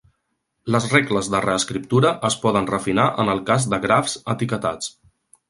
Les regles de reescriptura es poden refinar en el cas de grafs etiquetats.